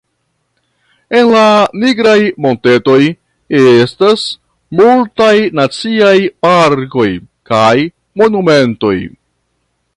En la Nigraj Montetoj estas multaj naciaj parkoj kaj monumentoj.